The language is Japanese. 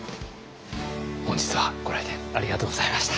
本日はご来店ありがとうございました。